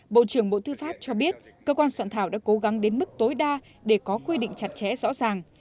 bộ trưởng bộ tư pháp cho biết cơ quan soạn thảo đã cố gắng đến mức tối đa để có quy định chặt chẽ rõ ràng